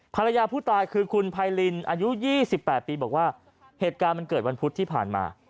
ภรรยาผู้ตายคือคุณไพรินอายุ๒๘ปีบอกว่าเหตุการณ์มันเกิดวันพุธที่ผ่านมา